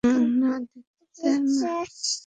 না, দেখত না।